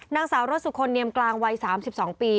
นางสาวรสสุคลเนียมกลางวัย๓๒ปี